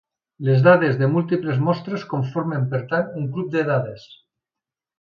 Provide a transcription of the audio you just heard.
Les dades de múltiples mostres conformen per tant un cub de dades.